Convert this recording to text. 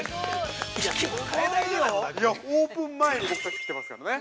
◆オープン前に僕たち来ていますからね。